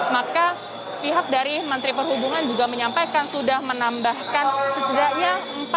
maka pihak dari menteri perhubungan juga menyampaikan sudah menambahkan setidaknya empat unit tangga